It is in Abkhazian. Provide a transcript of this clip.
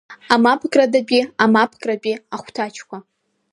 Амапкрадатәи, амапкратәи ахәҭаҷқәа…